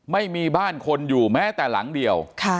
ไม่มีบ้านคนอยู่แม้แต่หลังเดียว